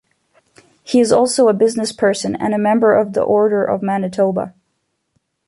He is also a businessperson and a member of the Order of Manitoba.